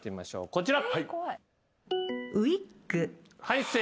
こちら。